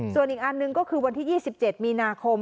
ส่วนอีกอันหนึ่งก็คือวันที่๒๗มีนาคม